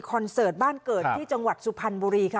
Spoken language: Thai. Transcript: เสิร์ตบ้านเกิดที่จังหวัดสุพรรณบุรีค่ะ